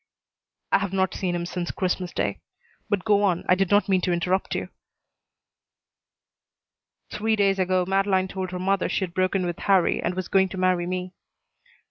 "I have not seen him since Christmas day. But go on. I did not mean to interrupt you." "Three days ago Madeleine told her mother she'd broken with Harrie and was going to marry me."